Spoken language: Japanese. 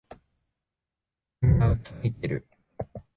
みんなうつむいてる。